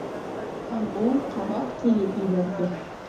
Һәм ул ҡабат көлөп ебәрҙе.